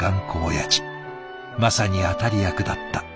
まさに当たり役だった。